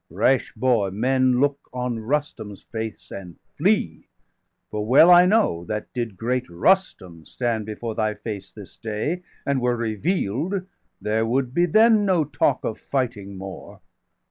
Rash boy, men look on Rustum's face and flee! For well I know, that did great Rustum stand 370 Before thy face this day, and were reveal'd, There would be then no talk of fighting more.